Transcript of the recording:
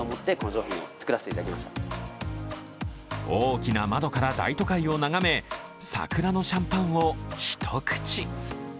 大きな窓から大都会を眺め、桜のシャンパンを一口。